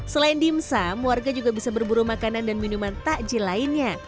selain dimsum warga juga bisa berburu makanan dan minuman takjil lainnya